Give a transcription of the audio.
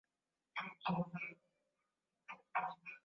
Ikaanzisha sheria mbalimbali za kulinda na kuhifadhi mazingira na mali asili